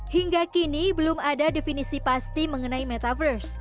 hingga kini belum ada definisi pasti mengenai metaverse